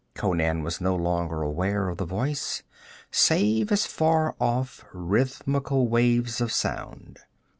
Conan was no longer aware of the voice, save as far off rhythmical waves of sound.